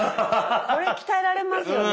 これ鍛えられますよね。